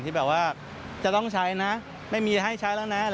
ที่แบบว่าจะต้องใช้นะไม่มีให้ใช้แล้วนะ